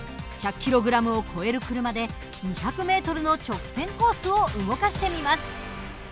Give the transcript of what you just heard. １００ｋｇを超える車で２００ｍの直線コースを動かしてみます。